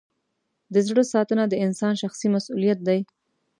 د زړه ساتنه د انسان شخصي مسؤلیت دی.